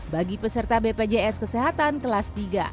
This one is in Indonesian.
bagi peserta bpjs kesehatan kelas tiga